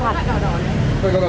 mình có gọi là hồng yến cơ